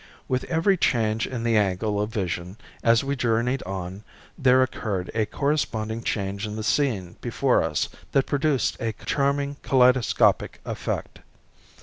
With every change in the angle of vision as we journeyed on, there occurred a corresponding change in the scene before us that produced a charming kaleidoscopic effect.